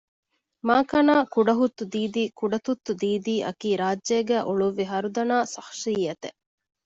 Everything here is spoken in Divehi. މާކަނާ ކުޑަހުއްތު ދީދީ ކުޑަތުއްތު ދީދީ އަކީ ރާއްޖޭގައި އުޅުއްވި ހަރުދަނާ ޝަޚުޞިއްޔަތެއް